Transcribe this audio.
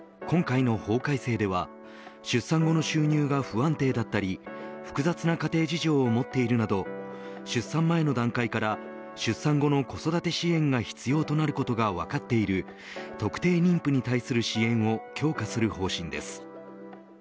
今回の法改正では出産後の収入が不安定だったり複雑な家庭事情を持っているなど出産前の段階から出産後の子育て支援が必要となることが分かっている特定妊婦に対する支援を強化する方針です。